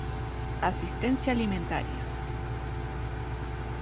Asistencia alimentaria